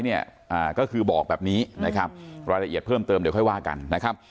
เนี่ยก็คือบอกแบบนี้นะครับรายละเอียดเพิ่มเติมเดี๋ยวค่อยว่ากันนะครับ